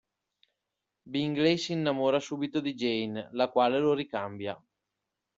Bingley si innamora subito di Jane, la quale lo ricambia.